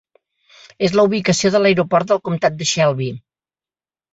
És la ubicació de l'aeroport del comptat de Shelby.